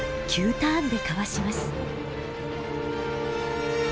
ターンでかわします。